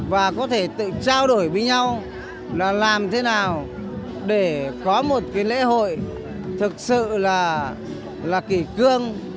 và có thể tự trao đổi với nhau là làm thế nào để có một cái lễ hội thực sự là kỳ cương